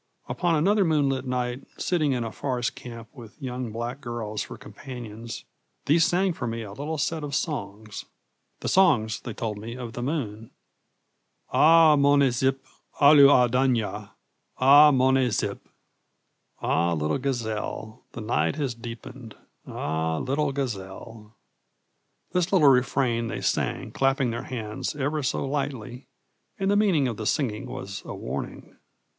Upon another moonlight night, sitting in a forest camp with young black girls for companions, these sang for me a little set of songs the songs, they told me, of the moon: 'Ah, moné zip, alu a danéya! Ah moné zip'[B] [Note B: 'Ah, little gazelle, the night has deepened! Ah, little gazelle!'] This little refrain they sang, clapping their hands ever so lightly, and the meaning of the singing was a warning.